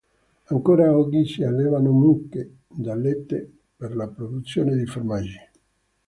Ancora oggi si allevano mucche da latte per la produzione di formaggi.